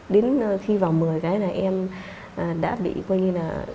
đến khi vào một mươi cái là em đã bị coi như là